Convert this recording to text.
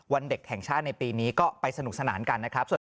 เด็กแห่งชาติในปีนี้ก็ไปสนุกสนานกันนะครับ